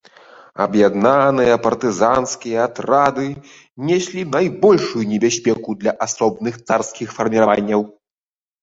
Аб'яднаныя партызанскія атрады неслі найбольшую небяспеку для асобных царскіх фарміраванняў.